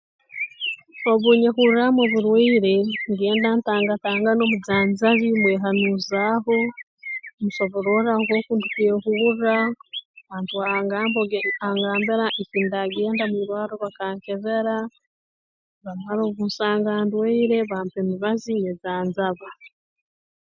Obu nyehurraamu oburwaire ngenda ntangatangana omujanjabi mwehaanuuzaaho musobororra nkooku ndukwehurra antwa angamba angambira ekindaagenda mu irwarro bakankebera bamara obu nsanga ndwaire bampa emibazi nyejanjaba